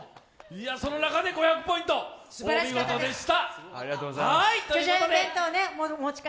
その中で５００ポイント、お見事でした。